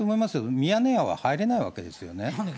ミヤネ屋は入れないわけですよね。